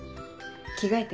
着替えて。